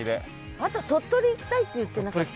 あんた鳥取行きたいって言ってなかった？